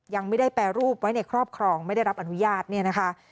ยังไม่ได้แปรรูปไว้ในครอบครองไม่ได้รับอนุญาตเนี่ยนะคะ